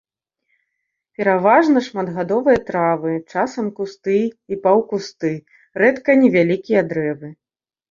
Пераважна шматгадовыя травы, часам кусты і паўкусты, рэдка невялікія дрэвы.